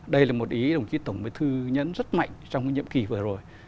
đây là một ý đồng chí tổng thư nhấn rất mạnh trong nhiệm kỳ vừa rồi